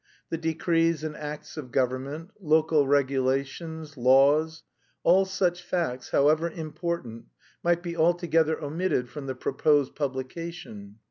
The decrees and acts of government, local regulations, laws all such facts, however important, might be altogether omitted from the proposed publication.